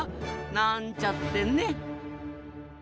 なんちゃってね。